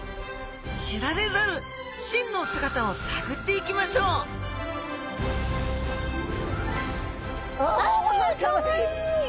知られざる真の姿をさぐっていきましょうあかわいい！